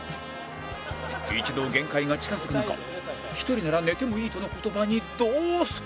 一同限界が近づく中１人なら寝てもいいとの言葉にどうする！？